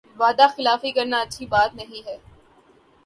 وعدہ خلافی کرنا اچھی بات نہیں ہے